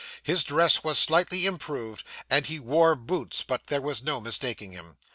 His dress was slightly improved, and he wore boots; but there was no mistaking him.